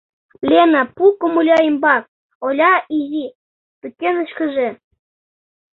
Лена — пу комыля ӱмбак, Оля — изи пӱкенышкыже.